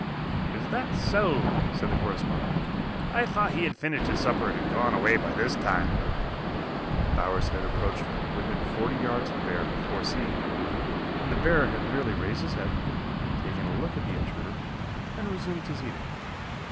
"Is that so?" said the correspondent. "I thought he had finished his supper and had gone away by this time." Bowers had approached to within forty yards of the bear before seeing him, and the bear had merely raised his head, taken a look at the intruder and resumed his eating.